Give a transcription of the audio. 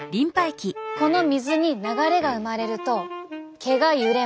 この水に流れが生まれると毛が揺れます。